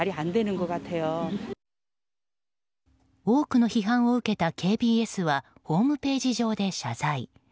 多くの批判を受けたＫＢＳはホームページ上で謝罪。